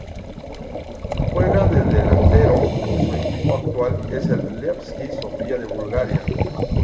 Juega de delantero y su equipo actual es el Levski Sofia de Bulgaria.